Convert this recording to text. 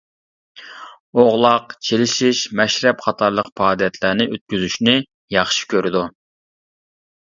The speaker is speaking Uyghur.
ئوغلاق، چېلىشىش، مەشرەپ قاتارلىق پائالىيەتلەرنى ئۆتكۈزۈشنى ياخشى كۆرىدۇ.